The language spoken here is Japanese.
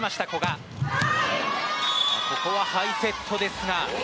ここはハイセットですが。